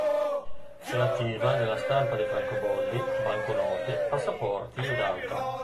È attiva nella stampa di francobolli, banconote, passaporti ed altro.